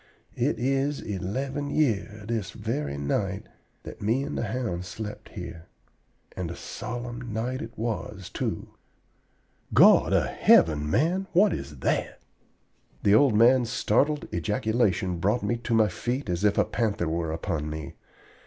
It is eleven year this very night that me and the hound slept here, and a solemn night it was, too. ... God of heaven, man, what is that?" The old man's startled ejaculation brought me to my feet as if a panther were upon me.